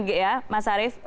sudah dijamin ya mas arief